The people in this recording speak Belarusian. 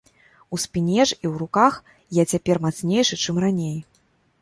У спіне ж і ў руках я цяпер мацнейшы, чым раней.